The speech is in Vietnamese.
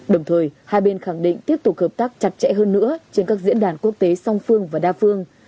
đồng thời hai bên khẳng định tiếp tục hợp tác chặt chẽ hơn nữa trên các diễn đàn quốc tế song phương và đa phương